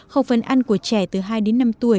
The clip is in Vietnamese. khẩu phần ăn của trẻ từ hai đến năm tuổi